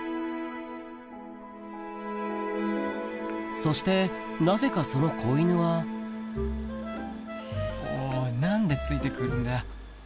そしてなぜかその子犬はおい何でついて来るんだよ。